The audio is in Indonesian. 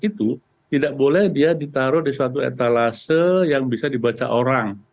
itu tidak boleh dia ditaruh di suatu etalase yang bisa dibaca orang